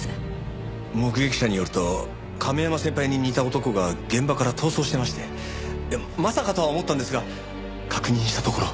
目撃者によると亀山先輩に似た男が現場から逃走してましてまさかとは思ったんですが確認したところ。